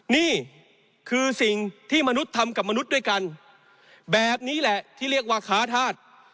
นี่คือสิ่งที่มนุษย์ทำกับมนุษย์ด้วยกันแบบนี้แหละที่เรียกว่าค้าธาตุ